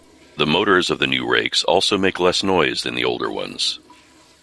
The motors of the new rakes also make less noise than the older ones.